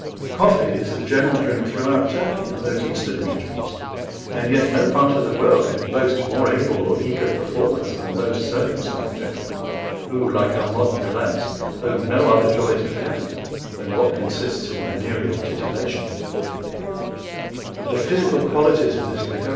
┬Ā┬Ā┬Ā┬Ā┬Ā┬Ā 3 25 Coffee is the general Drink throughout Turky, and those Eastern Regions, and yet no part of the world can boast more able or eager performers, than those Circumcised Gentlemen, who, (like our modern Gallants) own no other joys of Heaven, than what consists in ┬Ā┬Ā┬Ā┬Ā┬Ā┬Ā 3 30 Veneral Titillations; the Physical qualities of this Liquor <<p.